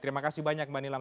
terima kasih banyak mbak nilam